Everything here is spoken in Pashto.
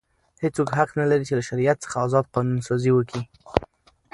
هیڅوک حق نه لري، چي له شریعت څخه ازاد قانون سازي وکي.